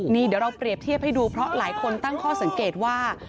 นี่เดี๋ยวเราเปรียบเทียบให้ดูเพราะหลายคนตั้งข้อสังเกตว่า